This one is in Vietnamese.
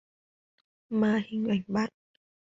Mà hình ảnh bạn